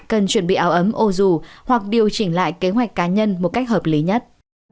cần chuẩn bị áo ấm ô dù hoặc điều chỉnh lại kế hoạch cá nhân một cách hợp lý nhất